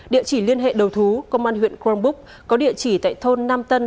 địa chỉ liên hệ đầu thú công an huyện cronbuk có địa chỉ tại thôn nam tân